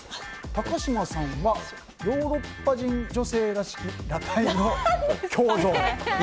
高嶋さんはヨーロッパ人女性らしき裸体の胸像。